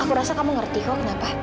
aku rasa kamu ngerti kok kenapa